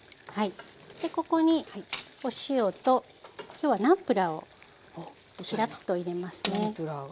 でここにお塩と今日はナムプラーをひらっと入れますね。